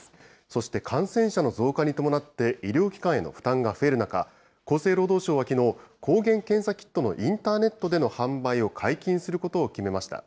そして感染者の増加に伴って医療機関への負担が増える中、厚生労働省はきのう、抗原検査キットのインターネットでの販売を解禁することを決めました。